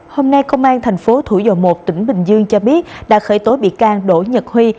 hôm nay công an thành phố thủ dầu một tỉnh bình dương cho biết đã khởi tối bị can đỗ nhật huy